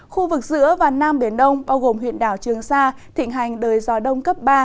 khu vực giữa và nam biển đông bao gồm huyện đảo trường sa thịnh hành đời gió đông cấp ba